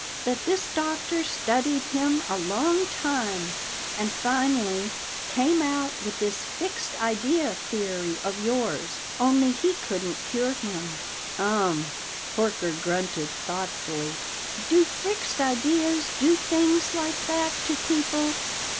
But this doctor studied him a long time, and finally came out with this fixed idea theory of yours. Only he couldn't cure him." "Um." Horker grunted thoughtfully. "Do fixed ideas do things like that to people?"